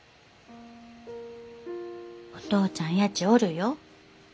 お父ちゃんやちおるよ。